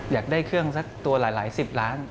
อยากได้เครื่องสักตัวหลายสิบล้าน